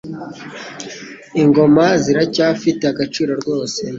ingoma ziracyafite agaciro rwose,